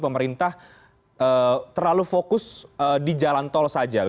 pemerintah terlalu fokus di jalan tol saja